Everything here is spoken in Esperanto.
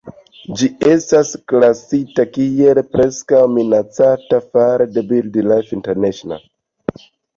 Ĝi estas klasita kiel "Preskaŭ Minacata" fare de Birdlife International.